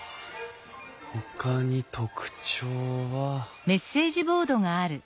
ほかに特徴は。